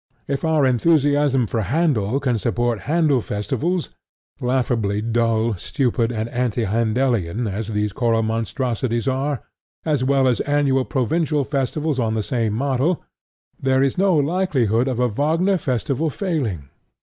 If our enthusiasm for Handel can support Handel Festivals, laughably dull, stupid and anti Handelian as these choral monstrosities are, as well as annual provincial festivals on the same model, there is no likelihood of a Wagner Festival failing.